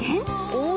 お！